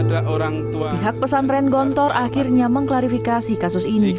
pihak pesantren gontor akhirnya mengklarifikasi kasus ini